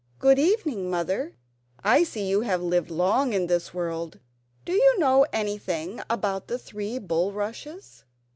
"Good evening, mother. I see you have lived long in this world; do you know anything about the three bulrushes?"